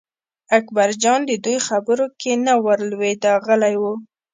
اکبرجان د دوی خبرو کې نه ور لوېده غلی و.